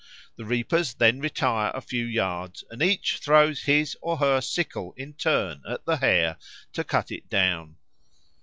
The reapers then retire a few yards and each throws his or her sickle in turn at the Hare to cut it down.